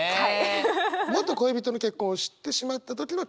元恋人の結婚を知ってしまった時の気持ち。